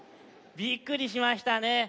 びっくりしましたね。